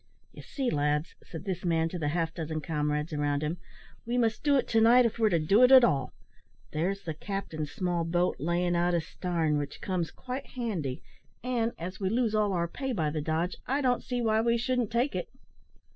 "Ye see, lads," said this man to the half dozen comrades around him, "we must do it to night, if we're to do it at all. There's the captain's small boat layin' out astarn, which comes quite handy, an', as we lose all our pay by the dodge, I don't see why we shouldn't take it."